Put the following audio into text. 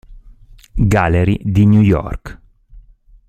Gallery di New York.